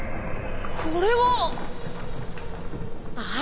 これは！ああ！